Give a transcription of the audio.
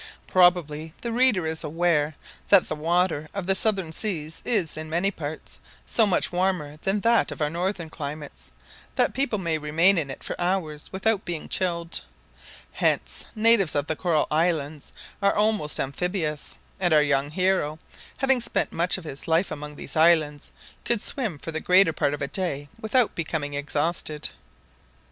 Probably the reader is aware that the water of the southern seas is, in many parts, so much warmer than that of our northern climes, that people may remain in it for hours without being chilled. Hence natives of the coral islands are almost amphibious, and our young hero, having spent much of his life among these islands, could swim for the greater part of a day without becoming exhausted.